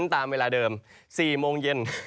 ตามเวลาเดิม๔โมงเย็น